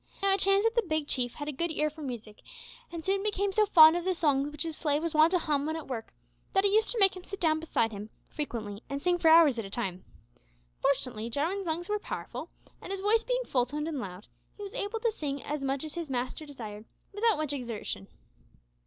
Now, it chanced that the Big Chief had a good ear for music, and soon became so fond of the songs which his slave was wont to hum when at work, that he used to make him sit down beside him frequently and sing for hours at a time! Fortunately, Jarwin's lungs were powerful, and his voice being full toned and loud, he was able to sing as much as his master desired without much exertion.